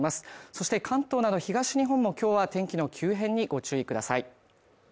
そして関東など東日本の今日は天気の急変にご注意ください。